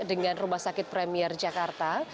dengan rumah sakit premier jakarta